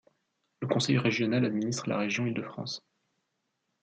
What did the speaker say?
Le conseil régional administre la région Île-de-France.